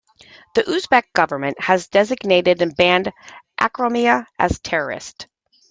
The Uzbek government has designated and banned Akromiya as terrorist.